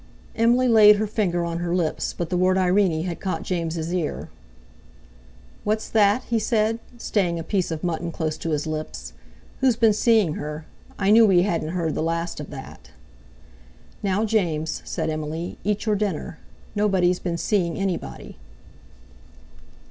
Emily laid her finger on her lips, but the word Irene had caught James' ear. "What's that?" he said, staying a piece of mutton close to his lips. "Who's been seeing her? I knew we hadn't heard the last of that." "Now, James," said Emily, "eat your dinner. Nobody's been seeing anybody."